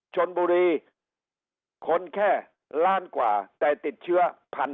ชนบุรีคนแค่ล้านกว่าแต่ติดเชื้อ๑๐๐